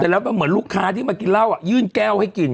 แล้วเหมือนลูกค้าที่มากินเหล้ายื่นแก้วให้กิน